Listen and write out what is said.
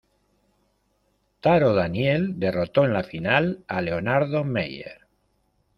Taro Daniel derrotó en la final a Leonardo Mayer.